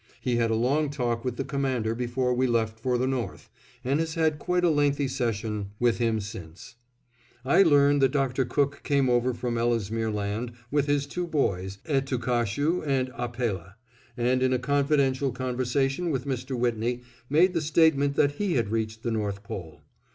He had a long talk with the Commander before we left for the north, and has had quite a lengthy session with him since. I learn that Dr. Cook came over from Ellesmere Land with his two boys, Etookahshoo and Ahpellah, and in a confidential conversation with Mr. Whitney made the statement that he had reached the North Pole.